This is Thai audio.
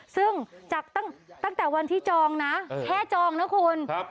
ซึ่งจากตั้งแต่วันที่จองนะแค่จองนะคุณ